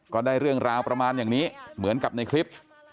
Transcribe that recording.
ก็ได้เรื่องราวประมาณอย่างนี้เหมือนกับในคลิป